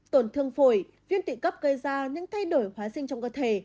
tổn thương phổi viên tụy cấp gây ra những thay đổi hóa sinh trong cơ thể